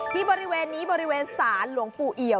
ที่บริเวณนี้บริเวณศาลหลวงปู่เอี่ยม